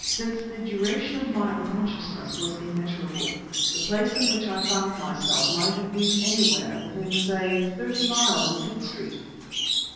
Since the duration of my unconsciousness was immeasurable, the place in which I found myself might have been anywhere, within say, thirty miles of Fleet Street!